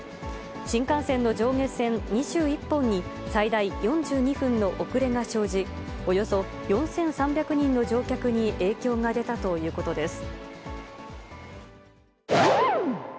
新幹線の上下線２１本に最大４２分の遅れが生じ、およそ４３００人の乗客に影響が出たということです。